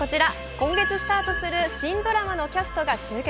今月スタートする新ドラマのキャストが集結。